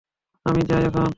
আমি যাই এখন।